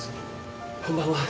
こんばんは。